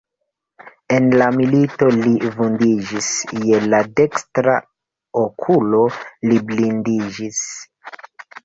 En la milito li vundiĝis, je la dekstra okulo li blindiĝis.